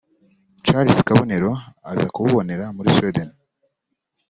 Charles Kabonero aza kububona muri Sweeden